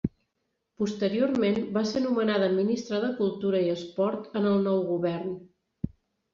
Posteriorment va ser nomenada ministra de Cultura i Esport en el nou govern.